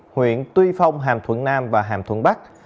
huyện tuy phong hàm thuận nam và hàm thuận bắc